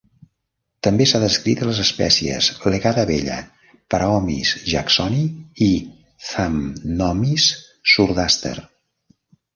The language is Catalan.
També s'ha descrit a les espècies Leggada bella, Praomys jacksoni i Thamnomys surdaster.